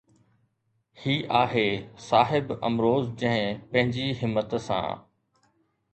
هي آهي صاحب امروز جنهن پنهنجي همت سان